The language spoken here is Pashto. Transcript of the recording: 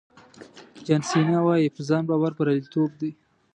جان سینا وایي په ځان باور بریالیتوب دی.